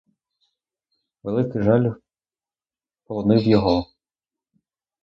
Великий жаль полонив його.